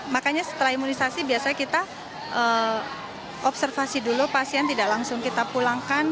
makanya setelah imunisasi biasanya kita observasi dulu pasien tidak langsung kita pulangkan